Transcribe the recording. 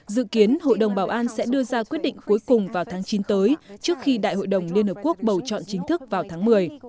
dự kiến hội đồng bảo an sẽ đưa ra quyết định cuối cùng vào tháng chín tới trước khi đại hội đồng liên hợp quốc bầu chọn chính thức vào tháng một mươi